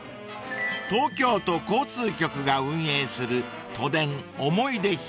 ［東京都交通局が運営する都電おもいで広場］